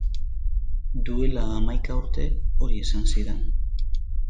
Duela hamaika urte hori esan zidan.